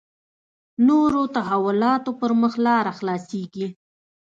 نورو تحولاتو پر مخ لاره خلاصېږي.